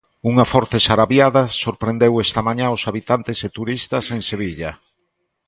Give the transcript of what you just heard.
Unha forte sarabiada sorprendeu esta mañá os habitantes e turistas en Sevilla.